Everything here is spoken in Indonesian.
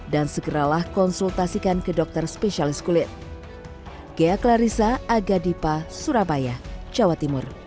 dan segeralah konsultasikan ke dokter spesialis kulit